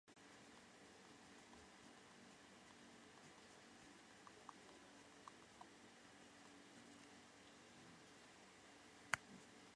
但所有这些相似性不能推得太深入。